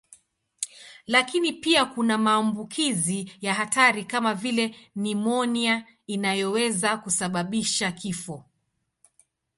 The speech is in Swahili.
Lakini pia kuna maambukizi ya hatari kama vile nimonia inayoweza kusababisha kifo.